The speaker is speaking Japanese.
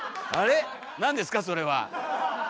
何ですかそれは。